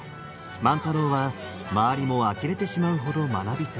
万太郎は周りもあきれてしまうほど学び続け。